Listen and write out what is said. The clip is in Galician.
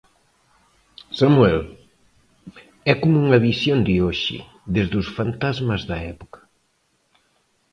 Samuel: É como unha visión de hoxe, desde os fantasmas da época.